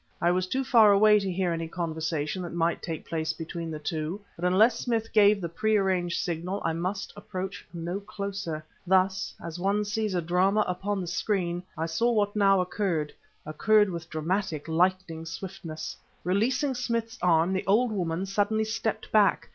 I was too far away to hear any conversation that might take place between the two, but, unless Smith gave the pre arranged signal, I must approach no closer. Thus, as one sees a drama upon the screen, I saw what now occurred occurred with dramatic, lightning swiftness. Releasing Smith's arm, the old woman suddenly stepped back